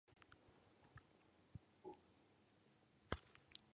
Herrietako jaiak hasi dira eta kontzertuen agenda pil-pilean dago.